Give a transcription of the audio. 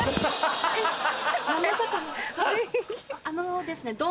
あのですね